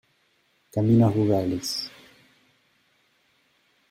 Caminos rurales.